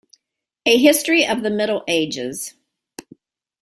A history of the Middle Ages.